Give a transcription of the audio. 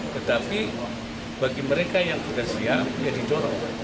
tetapi bagi mereka yang sudah siap ya didorong